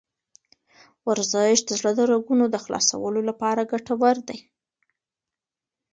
ورزش د زړه د رګونو د خلاصولو لپاره ګټور دی.